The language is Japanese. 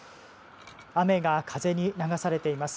雨が風に流されています。